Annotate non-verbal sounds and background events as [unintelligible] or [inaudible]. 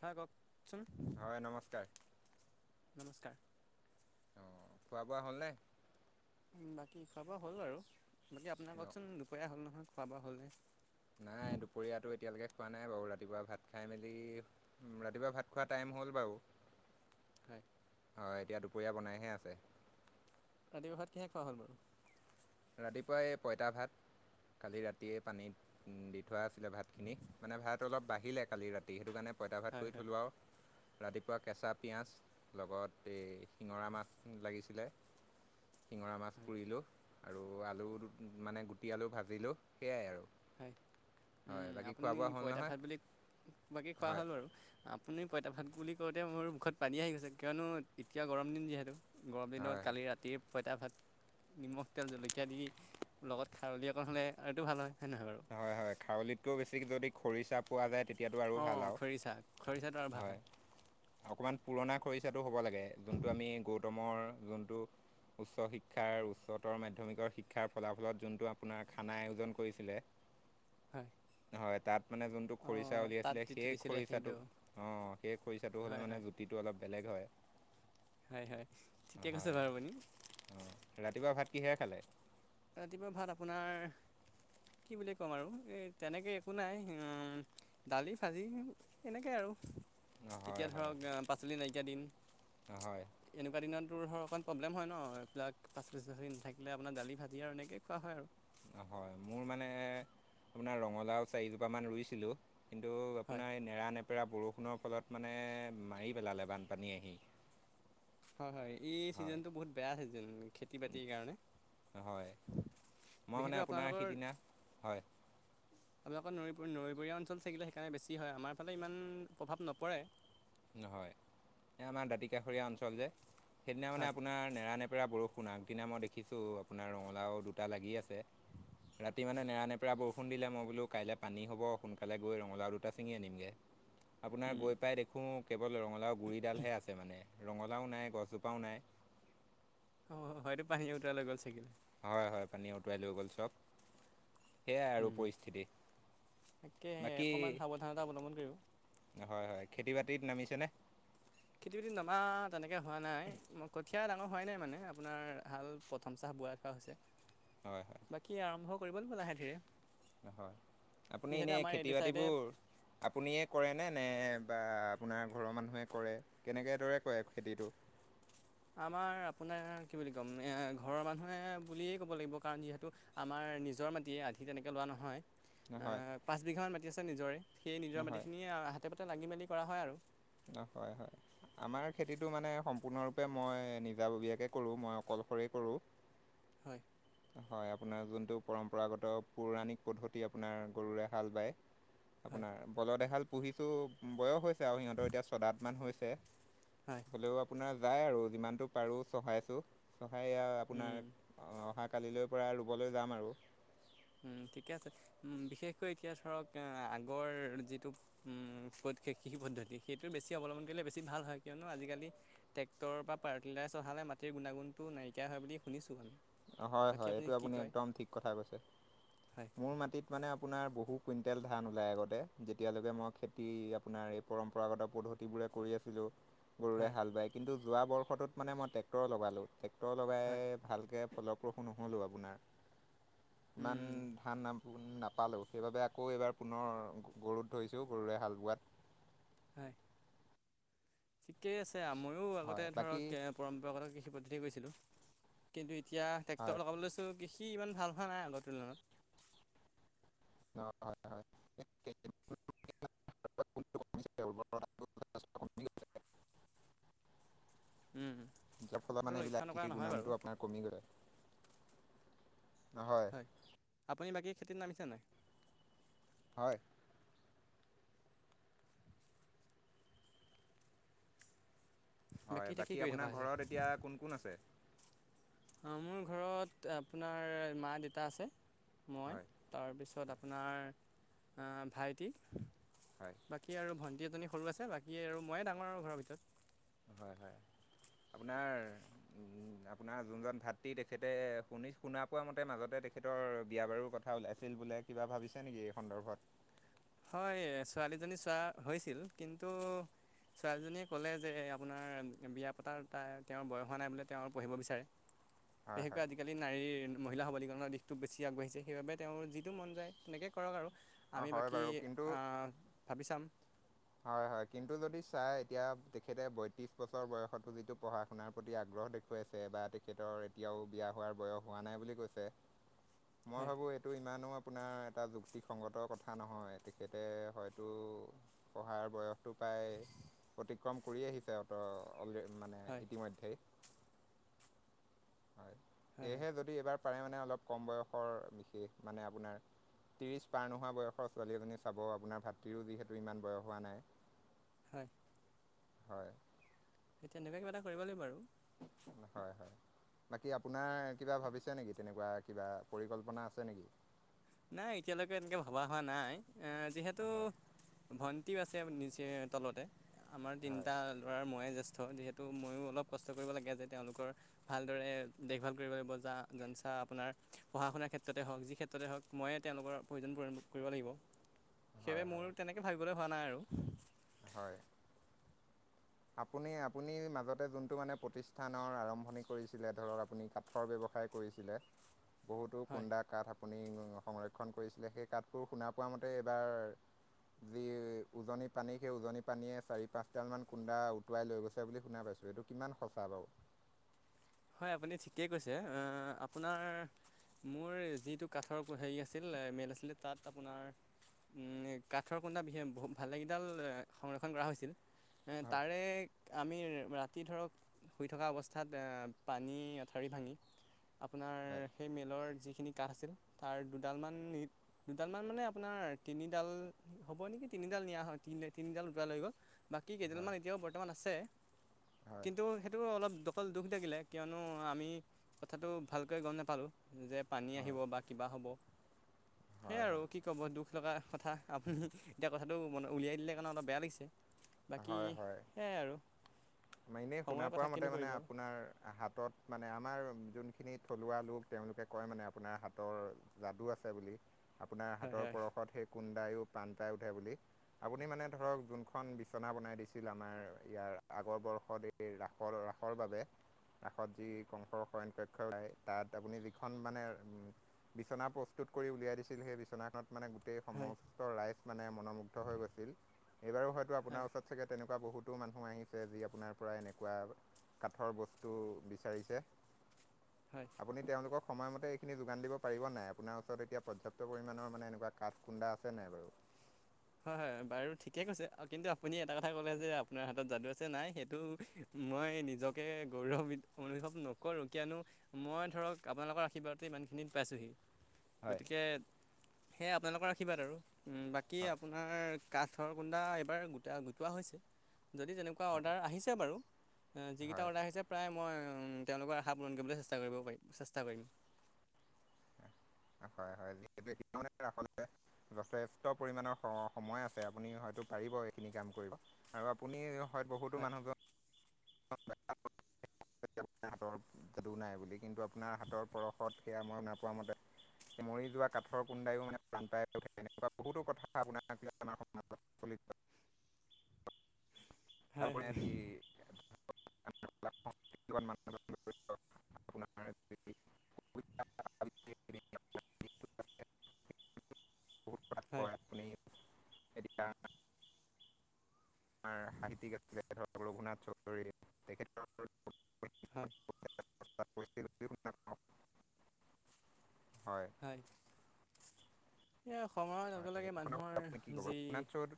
হাই কওকচোন। হয় নমস্কাৰ। নমস্কাৰ অ', খোৱা বোৱা হ'লনে? বাকী খোৱা বোৱা হ'ল বাৰু বাকী আপোনাৰ ন কওকচোন দুপৰীয়া হ'ল নহয় খোৱা বোৱা হ'লনে? নাই দুপৰীয়াটো এতিয়ালৈকে খোৱা নাই বাৰু ৰাতিপুৱা ভাত খাই মেলি উম, ৰাতিপুৱা ভাত খোৱা টাইম হ'ল বাৰু। হয়। হয়, এতিয়া দুপৰীয়া বনাইহে আছে। ৰাতিপুৱা ভাত কিহেৰে খোৱা হল বাৰু? ৰাতিপুৱা এই পঁইতা ভাত কালি ৰাতিয়ে পানীত দি থোৱা আছিলে ভাতখিনি মানে ভাত অলপ বাঢ়িলে কালি ৰাতি তে, সেইটো কাৰণে পইতা ভাত হয় কৰি হয় থ'লোঁ আৰু। ৰাতিপুৱা কেঁচা পিঁয়াজ লগত এই শিঙৰা মাছ লাগিছিলে। শিঙৰা মাছ হয় পুৰিলোঁ আৰু আলু মানে গুটি আলু ভাজিলোঁ সেয়াই আৰু হয়, হয় বাকী খোৱা আপুনি বোৱা হ'ল পইতা নহয় ভাত বুলি, বাকী খোৱা হয় হ'ল বাৰু। আপুনি পইতা ভাত বুলি কওঁতে মোৰ মুখত পানী আহি গৈছে কিয়নো এতিয়া গৰম দিন যিহেতু্। গৰম দিনত হয় হয় কালি ৰাতি ৰাতিৰ পঁইতা ভাত নিমখ তেল জলকীয়া দি লগত খাৰলি অকণ হ'লে আৰুটো ভাল হয়। [unintelligible] আৰু এই খাৰলিতকৈও বেছি যদি খৰিচা পোৱা যায় তেতিয়াতো আৰু ভাল অঁ আৰু, খৰিচা খৰিচাটো আৰু ভাল হয়। অকণমান পুৰণা খৰিচাটো হ'ব লাগে, যোনটো আমি গৌতমৰ যোনটো উচ্চ শিক্ষাৰ উচ্চতৰ মাধ্যমিকৰ শিক্ষাৰ ফলাফলত যোনটো আপোনাৰ খানা আয়োজন কৰিছিলে হয়। হয় তাত মানে যোনটো খৰিচা অঁ তাত উলিয়াইছিলে যিটো সেই দিছিলে খৰিচাটো, সেইটো অ' সেই খৰিচাটো হয় হ'লে হয় মানে চিটো অলপ বেলেগ হয়। হয় হয়, ঠিকে কৈছে বাৰু আপুনি। অ' ৰাতিপুৱা ভাত কিহেৰে খালে? ৰাতিপুৱাৰ ভাত আপোনাৰ কি বুলি ক'ম আৰু এই তেনেকৈ একো নাই, উ, দালি ভাজি। এনেকেই আৰু। হয় এতিয়া হয় ধৰক পাচলি নাইকিয়া দিম। হয়। এনেকুৱা দিনতোৰ ধৰ অকণ প্ৰব্লেম হয় ন' এইিলাক পাচলি টাচলি নাথাকিলে আপোনাৰ দালি ভাত। দিয়া আৰু এনেকেই খোৱা হয় আৰু। হয়, মোৰ মানে আপোনাৰ ৰঙালাও চাৰিজোপ মান ৰুইছিলোঁ। কিন্তু হয় আপোনাৰ এই নেৰা নেপেৰা বৰষুণৰ ফলত মানে মাৰি পেলালে বানপানী আহি। হয় হয়, এই হয় চিজনটো বহুত বেয়া ছিজন খেতি বাতিৰ কাৰণে। হয় মই মানে বিশেষকৈ আপোনাৰ আপোনালোকৰ সিদিনা হয় আপোনালোকৰ নৈ নৈপৰীয়া অঞ্চল থাকিলে সেইকাৰণে বেছি হয়, আমাৰফালে ইমান প্ৰভাৱ নপৰে। নহয়, এই আমাৰ দাঁতিকাষৰীয়া অঞ্চল যে সেইদিনা মানে হয় আপোনাৰ নেৰানেপেৰা বৰষু কোন আগদিনা মই দেখিছোঁ আপোনাৰ ৰঙালাও দুটা লাগি আছে। ৰাতি মানে নেৰা নেপেৰা বৰষুণ দিলে, মই বোলো কাইলৈ পানী হ'ব সোনকালে গৈ ৰঙালাও দুটা ছিঙি আনিমগে। আপোনাৰ উম, গৈ পাই দেখোঁ কেৱল ৰঙালাও গুড়িডালহে আছে মানে, ৰঙালাও নাই, গছজোপাও নাই। অ' হয়টো পানী উটাই লৈ গ'ল ছাগিল। হয় হয়, পানীয়ে উটুৱাই লৈ গ'ল চব। সেয়াই আৰু উম, পৰিস্থিতি। তাকেহে বাকী অকণমান সাৱধানতা অৱলম্বন কৰিব হয় হয়। খেতি বাতিত নামিছেনে? খেতি বাতি নমা তেনেকৈ হোৱা নাই, মই কঠীয়া ডাঙৰ হোৱাই নাই মানে আপোনাৰ হাল প্ৰথম চাহ বোৱাত হৈছে, হয় বাকী আৰম্ভ কৰিব লাগিব লাহে ধিৰে। নহয়, আপুনি এনে খেতি বাতিবোৰ আপুনিয়ে কৰেনে নে বা আপোনাৰ ঘৰৰ মানুহে কৰে? কেনেকে দৰে কৰে খেতিটো? আমাৰ আপোনাৰ কি বুলি ক'ম, ঘৰৰ মানুহে বুলিয়েই ক'ব লাগিব কাৰণ যিহেতু আমাৰ নিজৰ মাটিয়ে, আধি তেনেকে লোৱা নহয়। নহয়। পাঁচ বিঘামান মাটি আছে নিজৰে, সেই নিজৰ নহয় মাটিখিনিয়ে হাতে পাতে লাগি মেলি কৰা হয় আৰু। হয় হয়। আমাৰ খেতিটো মানে সম্পূৰ্ণৰূপে মই নিজাববীয়াকে কৰোঁ, মই অকলশৰে কৰোঁ। হয়। হয়, আপোনাৰ যোনটো পৰম্পৰাগত পৌৰাণিক পদ্ধতি, আপোনাৰ গৰুৰে হাল বায় হয় আপোনাৰ বলদ এহাল পুহিছোঁ, বয়স হৈছে। ছে আৰু সিহঁতৰ এতিয়া ছদাত মান হৈছে। হয়। হ'লেও আপোনাৰ যায় আৰু যিমানটো পাৰোঁ চহাইছোঁ, চহাই আপোনাৰ হয় অহা কালিলৈ পৰা ৰুবলৈ যাম আৰু। ঠিকে আছে। বিশেষকৈ এতিয়া ধৰক আগৰ যিটো উম, কৃষি পদ্ধতি সেইটো বেছি অৱলম্বন কৰিলে বেছি ভাল হয় কিয়নো আজিকালি ট্ৰেক্টৰ বা পাৱাৰ টিলাৰ চহালে মাটিৰ গুণাগুণটো নাইকিয়া হয় বুলি শুনিছোঁ আমি। হয় বাকী হয় এইটো কি আপুনি কয় একদম ঠিক কথা কৈছে। হয় মোৰ মাটিত মানে আপোনাৰ বহু কুইণ্টেল ধান ওলায় আগতে, যেতিয়ালৈকে মই খেতি আপোনাৰ এই পৰম্পৰাগত পদ্ধতিবোৰে কৰি আছিলোঁ। গৰুৰে হয় হাল বায় কিন্তু যোৱা বৰ্ষটোত মানে মই ট্ৰেক্টৰ লগালোঁ, ট্ৰেক্টৰ হয় লগাই ভালকে ফলপ্ৰসূ নহ'লো আপোনাৰ। ইমান উম, ধান নাপালেও, সেইবাবে আকৌ এইবাৰ পুনৰ গৰুত ধৰিছোঁ, গৰুৰে হাল বোৱাত। হয় ঠিকেই আছে আময়ো হয় আগতে বাকী ধৰক পৰম্পৰাগত কৃষি পদ্ধতি কৰিছিলোঁ কিন্তু এতিয়া হয় ট্ৰেক্টৰ লগাবলৈ চোঁ কৃষি ইমান ভাল হোৱা নাই আগৰ তুলনাত অ হয় হয় [inaudible] উম, যাৰ ফল সেইটো মানে লক্ষ্য এইবিলাক নকৰা কৃষিৰ নহয় বাৰু গুণউনটো আপোনাৰ কৰে ন হয় আপুনি বাকী খেতিত নামিছে নাই হয় হয় এতিয়া কি বাকী কৰি থকা আপোনাৰ হৈছে ঘৰত এতিয়া কোন কোন আছে অ মোৰ ঘৰত আপোনাৰ মা দেউতা আছে মই হয় তাৰপিছত হয় আপোনাৰ ভাইটি হয় বাকী আৰু ভণ্টি এজনী সৰু আছে বাকী আৰু মইয়ে ডাঙৰ আৰু ঘৰৰ ভিতৰত হয়, হয় আপোনাৰ উম আপোনাৰ যোনজন ভাতৃ তেখেতে শুনি শুনা পোৱা মতে মাজতে তেখেতৰ বিয়া বাৰু কথা কথা ওলাইছিল বোলে কিবা ভাবিছে নেকি এই সন্দৰ্ভত হয় ছোৱালীজনী চোৱা হৈছিল কিন্তু ছোৱালীজনীয়ে ক'লে যে আপোনাৰ বিয়া পতাৰ তাইৰ তেওঁৰ বয়স হোৱা নাই বোলে তেওঁ আৰু পঢ়িব বিছাৰে [unintelligible] [unintelligible] আজিকালি নাৰীৰ মহিলা সবলীকৰণৰ দিশটো বেছি আগবাঢ়িছে সেইবাবে তেওঁৰ যিটো মন যায় তেনেকে কৰক আৰু অ হয় বাৰু কিন্তু অ ভাবি চাম হয়, হয় কিন্তু যদি চাই এতিয়া তেখেতে বয়ত্ৰিশ বছৰ বয়সতো যিটো পঢ়া আপোনাৰ প্ৰতি আগ্ৰহ দেখুৱাইছে বা তেখেতৰ এতিয়াও বিয়া হোৱাৰ বয়স হোৱা নাই বুলি কৈছে মই হয় ভাবোঁ এইটো ইমানো [unintelligible] আপোনাৰ এটা যুক্তিসংগতৰ কথা নহয় তেখেতে হয়তো পঢ়াৰ বয়সটো প্ৰায় অতিক্ৰম কৰি আহিছে [unintelligible] মানে হয় ইতিমধ্যেই হয় হয় হয় সেয়েহে যদি এবাৰ পাৰে মানে অলপ কম বয়সৰ বিশেষ মানে আপোনাৰ ত্ৰিছ পাৰ নোহোৱা বয়সৰ ছোৱালী এজনী চাব আপোনাৰ ভাতৃৰো যিহেতু ইমান বয়স হোৱা নাই হয় হয় তেনেকুৱাই কিবা এটা কৰিব লাগিব আৰু হয়, হয় বাকী আপোনাৰ কিবা ভাবিছে নেকি তেনেকুৱা কিবা পৰিকল্পনা আছে নেকি নাই এতিয়ালৈকে এনেকে ভবা হোৱা নাই যিহেতু হয় ভন [unintelligible] আছে নিচে তলতে আমাৰ হয় তিনিটা ল'ৰাৰ মইয়ে জ্যেষ্ঠ যিহেতু ত' ময়ো অলপ কষ্ট কৰিব লাগে যে তেওঁলোকৰ ভালদৰে দেখ ভাল কৰিব লাগিব যা [unintelligible] আপোনাৰ পঢ়া শুনাৰ ক্ষেত্ৰতে হওক যি ক্ষেত্ৰতে হওক মইয়ে তেওঁলোকৰ প্ৰয়োজন পূৰণ কৰিব লাগিব হয় সেইবাবে হয় মোৰ তেনেকৈ ভাবিবলৈ হোৱা নাই আৰু হয় আপুনি, আপুনি মাজতে যোনটো মানে প্ৰতিষ্ঠানৰ আৰম্ভণি কৰিছিলে ধৰক আপুনি [unintelligible] কাঠৰ ব্যৱসায় কৰিছিলে বহুতো হয় কুন্দা কাঠ আপুনি সংৰক্ষণ কৰিছিলে সেই কাঠবোৰ শুনা পোৱা মতে এইবাৰ যি উজনি পানী সেই উজনি পানীয়ে চাৰি পাঁচ ডাল মান কুন্দা উটুৱাই লৈ গৈছে বুলি শুনা পাইছোঁ এইটো কিমান সঁচা বাৰু হয় আপুনি ঠিকেই কৈছে আপোনাৰ মোৰ যিটো কাঠৰ হেৰি আছিল মেল আছিলে তাত আপোনাৰ উ কাঠৰ কুন্দা বিশষ [unintelligible] ভালে কেইডাল সংৰক্ষণ কৰা হৈছিল হয় তাৰে আমি ৰাতি ধৰক শুই থকা অৱস্থাত পানী অঠাৰি ভাঙি হয় আপোনাৰ সেই মেলৰ যিখিনি। শকাহ আছিল তাৰ দুডালমান দুডালমান মানে আপোনাৰ তিনিডাল হ'ব নেকি তিনিডাল নিয়া হয় তিনিডাল উটুৱাই লৈ গ'ল। বাকী হয় কেইডালমান এতিয়াও বৰ্তমান আছে, হয় কিন্তু সেইটো অলপ দকল দুখ থাকিলে। কিয়নো আমি কথাটো ভালকৈ গম নাপালোঁ যে। পানী হয় আহিব বা কিবা হ'ব সেয়াই হয় আৰু কি। কিয় বৰ দুখ লগা কথা আপুনি এতিয়া কথাটো ম উলিয়াই দিলে কাৰণে অলপ বেয়া লাগিছে। বাকী হয়, হয় সেয়াই আৰু মই এনেই শুনা সময়ৰ পোৱা কথা মতে কিনো মানে কৰিব আৰু আপোনাৰ হাত। হাতত মানে আমাৰ যোনখিনি থলুৱা লোক তেওঁলোকে কয় মানে আপোনাৰ হাতৰ। যাদু আছে বুলি আপোনাৰ হয় হাতৰ হয় পৰশত সেই কুডায়ো পাণ পাই উঠে বুলি আপুনি মানে ধৰক যোনখন। ৰচনা বনাই দিছিল আমাৰ ইয়াৰ আগৰ বৰ্ষত এই ৰাসৰ ৰাসৰ বাবে। ৰাসত যি কংসৰ শয়ন কক্ষ লায় তাত আপুনি যিখন মানে উম। বিচনা প্ৰস্তুত কৰি উলিয়াই দিছিল সেই বিচনাখনত মানে। হয় সমস্ত ৰাইজ মানে মনম হৈ গৈছিল এইবাৰো হয়তো হয় আপোনাৰ ওচৰত চাগে তেনেকুৱা বহুতো মানুহ আহিছে যি আপোনাৰ পৰা এনেকুৱা। কাঠৰ বস্তু বিচাৰিছে। হয়। আপুনি তেওঁলোকক সময়মতে এইখিনি যোগ দিব পাৰিব নাই আপোনাৰ ওচৰত এতিয়া পৰ্যাপ্ত পৰিমাণৰ মানে এনেকুৱা কুন্দা আছে নাই বাৰু। হয়, হয় বাৰু ঠিকে কৈছে কিন্তু আপুনি এটা কথা ক'লে যে আপোনাৰ হাতত যাদু আছে নাই সেইটো। মই নিজকে গৌৰৱ অনুভৱ নকৰো কিয়নো। মই ধৰক আপোনালোকৰ আশীৰ্বাদ ইমান খিনিত পাইছোহি। হয়। গতিকে সোই আপোনালোকৰ আশীৰ্বাদ আৰু বাকী। হয় আমাৰ কাঠৰ গুন্দা এইবাৰ গোটা গোটোৱা হৈছে। যদি তেনেকুৱা হয় অৰ্ডাৰ আহিছে বাৰু যিকেইটা হয় অৰ্ডাৰ আহিছে প্ৰায় মই তেওঁলোকৰ স পূণ কৰিবলৈ চেষ্টা কৰিব পাৰিম চেষ্টা কৰিম। হয়, হয় যিহেতু ৰা যথেষ্ট পৰিমণৰ সময় আছে আপুনি হয়তো পাৰিব এইখিনি কাম কৰিব। আৰু আপুনি হয়ত বহুতো হয় মানুহজন। হাতৰ যাদু নাই বুলি কিন্তু আপোনাৰ হাতৰ পৰশত সেয়া মই নাপোৱা মতে। মৰি যোৱা কাঠৰ কুণ্ডায়ো মানে প্ৰাণ পায় তেনেকুৱা বহুতো কথা আপোনাক লৈ আমাৰ সমাজত। ফলিত। হয় হয় তাৰপ মান কবিতা আবৃত্তি অ'। হয়। সৰিয়া। আমাৰ সাহিত্যিক আছিলে ধৰক ৰঘুনাথ চৌধুৰী তেখেত। হয়। তাৰপছিল। হয়। এই সময়ৰ লগে, হয় এই লগে সন্দৰ্ভত মানুহৰ আপুনি কি ক'ব যি। ৰঘুনাথ চৌধুৰী